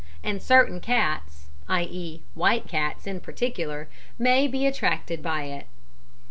and certain cats, i.e. white cats in particular, may be attracted by it.